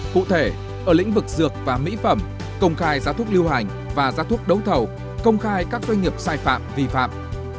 cụ thể ở lĩnh vực dược và mỹ phẩm công khai giá thuốc lưu hành và giá thuốc đấu thầu công khai các doanh nghiệp sai phạm vi phạm